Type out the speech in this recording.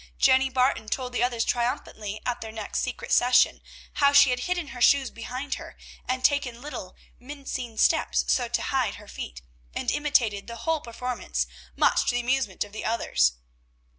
Jenny Barton told the others triumphantly at their next secret session, how she had hidden her shoes behind her, and taken little, mincing steps, so to hide her feet, and imitated the whole performance, much to the amusement of the others.